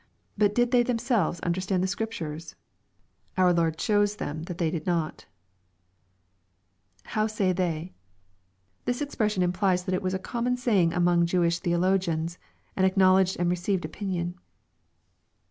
But did they themselves understand the Scriptures ? Our Lord shows them thiit they did not [How say iheyr] This expression implies that it was a common saying among Jewish theologians, — ^an acknowledged and received opinion.